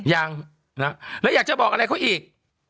ยังแล้วอยากจะบอกอะไรเขาอีก